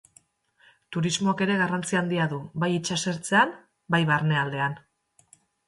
Turismoak ere garrantzi handia du bai itsasertzean bai barnealdean.